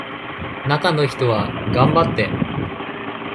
中の人は頑張って